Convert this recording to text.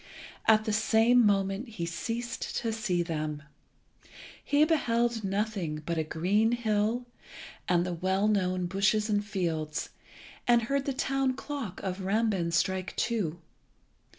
At the same moment he ceased to see them. He beheld nothing but a green hill, and the well known bushes and fields, and heard the town clock of Rambin strike two.